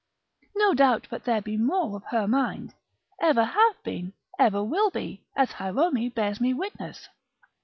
No doubt but there be more of her mind, ever have been, ever will be, as Hierome bears me witness.